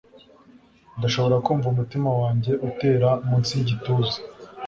ndashobora kumva umutima wanjye utera munsi yigituza